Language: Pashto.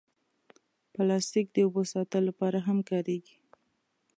پلاستيک د اوبو ساتلو لپاره هم کارېږي.